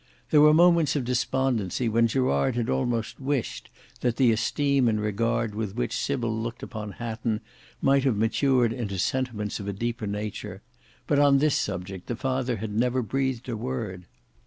There were moments of despondency when Gerard had almost wished that the esteem and regard with which Sybil looked upon Hatton might have matured into sentiments of a deeper nature; but on this subject the father had never breathed a word.